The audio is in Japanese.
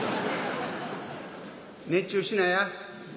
熱中しなや。